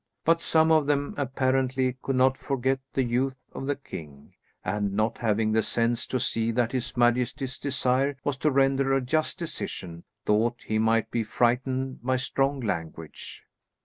But some of them, apparently, could not forget the youth of the king, and, not having the sense to see that his majesty's desire was to render a just decision, thought he might be frightened by strong language.